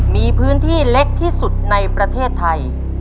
มีพื้นที่เล็กที่สุดในประเทศไทย